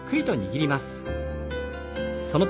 はい。